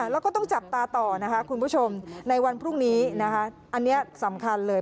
แล้วก็ต้องจับตาต่อนะคะคุณผู้ชมในวันพรุ่งนี้นะคะอันนี้สำคัญเลย